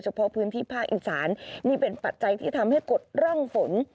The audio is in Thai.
เพาะพื้นที่ภาคอีสานนี่เป็นปัจจัยที่ทำให้กดร่องฝน